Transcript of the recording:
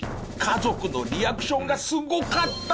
家族のリアクションがすごかった！